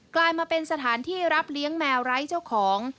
กลายมาเป็นสถานที่รับเลี้ยงแมวไร้เจ้าของ